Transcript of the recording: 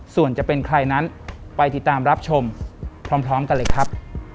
ส่วนจะเป็นใครนั้นไปติดตามรับชมพร้อมกันเลยครับ